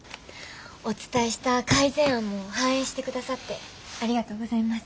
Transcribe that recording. お伝えした改善案も反映してくださってありがとうございます。